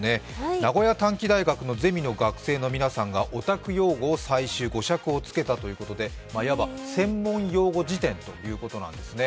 名古屋短期大学のゼミの皆さんがオタク用語を採集したということで、いわば専門用語辞典ということです。